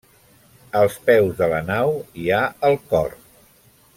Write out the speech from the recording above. Als peus de la nau hi ha el cor.